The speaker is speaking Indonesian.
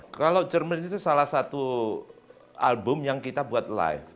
kalau cermin itu salah satu album yang kita buat live